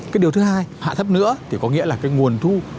cái điều thứ hai hạ thấp nữa thì có nghĩa là cái nguồn thu